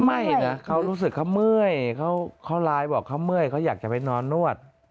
ไม่นะเขารู้สึกเขาเมื่อยเขาไลน์บอกเขาเมื่อยเขาอยากจะไปนอนนวด